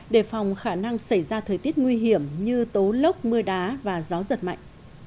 đề phòng khả năng xảy ra thời tiết nguy hiểm như tố lốc mưa đá và gió giật mạnh